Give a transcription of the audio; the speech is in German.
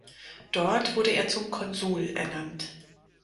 Dort wurde er zum Konsul ernannt.